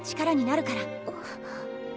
あっ。